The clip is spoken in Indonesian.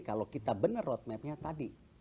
kalau kita benar roadmap nya tadi